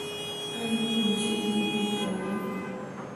ایا نور نشه یي توکي کاروئ؟